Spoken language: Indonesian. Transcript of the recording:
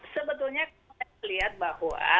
sebetulnya kita lihat bahwa